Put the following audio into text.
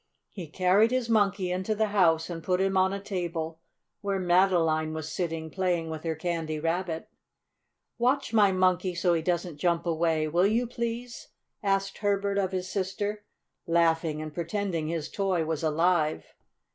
He carried his Monkey into the house and put him on a table, where Madeline was sitting, playing with her Candy Rabbit. "Watch my Monkey so he doesn't jump away, will you, please?" asked Herbert of his sister, laughing and pretending his toy was alive.